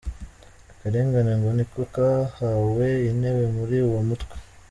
Akarengane ngo niko kahawe intebe muri uwo mutwe